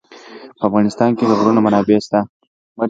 په افغانستان کې د غرونه منابع شته.